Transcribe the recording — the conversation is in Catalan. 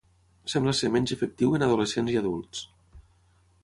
Sembla ser menys efectiu en adolescents i adults.